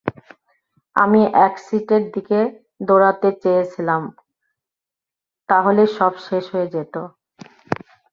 আমি এক্সিটের দিকে দৌড়াতে চেয়েছিলাম তাহলেই সব শেষ হয়ে যেত।